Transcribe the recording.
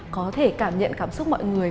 có thể cảm nhận cảm xúc mọi người